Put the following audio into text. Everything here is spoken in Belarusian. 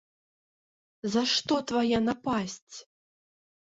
За што твая напасць?!.